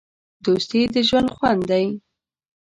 دوستي د ژوند خوند دی.